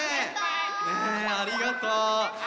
ねえありがとう！